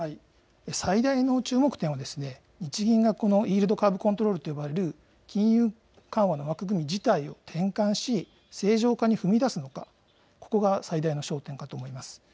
最大の注目点は、日銀がこのイールドカーブ・コントロールと呼ばれる金融緩和の枠組み自体を転換し、正常化に踏み出すのか、ここが最大の焦点かと思います。